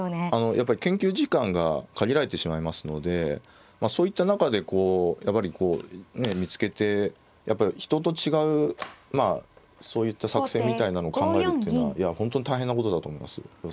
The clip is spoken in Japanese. やっぱり研究時間が限られてしまいますのでそういった中でやはりこう見つけてやっぱり人と違うまあそういった作戦みたいなの考えるっていうのは本当に大変なことだと思います。